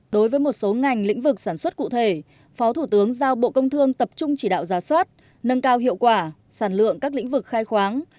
đối với một số ngành lĩnh vực sản xuất cụ thể phó thủ tướng giao bộ công thương tập trung chỉ đạo giá soát nâng cao hiệu quả sản lượng các lĩnh vực khai khoáng